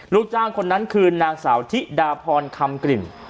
ลูกจ้างคนนั้นคือนางสาวธิดาพรคำกลิ่น